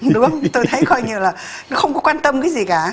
đúng tôi thấy coi như là nó không có quan tâm cái gì cả